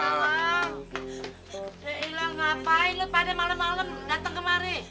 ya iya ngapain lo pada malem malem datang kemari